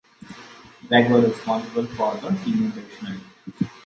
Gregg was responsible for The Senior Dictionary.